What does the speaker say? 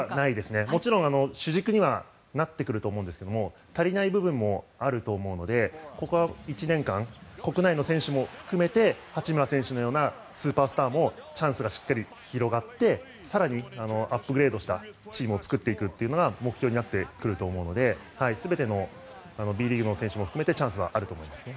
もちろん主軸にはなってくると思うんですが足りない部分もあると思うのでここは１年間国内の選手も含めて八村選手のようなスーパースターもチャンスがしっかり広がって更にアップグレードしたチームを作っていくという目標になると思うので全てのＢリーグの選手も含めてチャンスはあると思いますね。